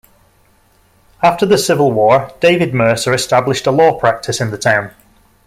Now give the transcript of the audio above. After the Civil War David Mercer established a law practice in the town.